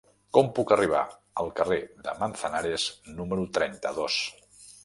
Com puc arribar al carrer de Manzanares número trenta-dos?